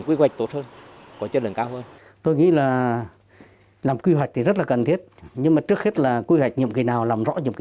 quy hoạch cán bộ cấp chiến lược là một nội dung rất quan trọng